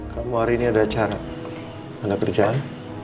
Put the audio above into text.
kamu hari ini ada acara ada kerjaan